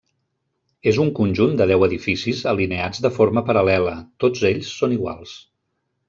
És un conjunt de deu edificis alineats de forma paral·lela; tots ells són iguals.